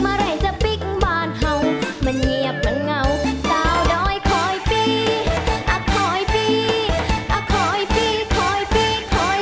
ไม่รรร็ายจะปิ๊กมานเขามันเหงียบมันเหงาซาวดอยคอยปีคอยปีคอยปีคอยปี